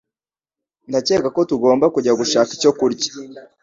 Ndakeka ko tugomba kujya gushaka icyo kurya